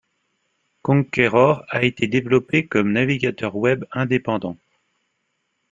Konqueror a été développé comme navigateur Web indépendant.